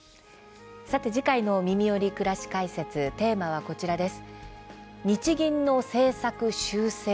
さて次回の「みみより！くらし解説」テーマは、こちらです。